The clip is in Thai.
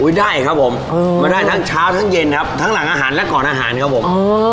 ได้ครับผมมาได้ทั้งเช้าทั้งเย็นครับทั้งหลังอาหารและก่อนอาหารครับผม